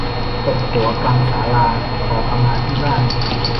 ตบหัวกลางศาลา ขอขมาที่บ้าน